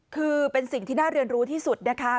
คือเป็นสิ่งที่น่าเรียนรู้ที่สุดนะคะ